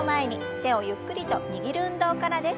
手をゆっくりと握る運動からです。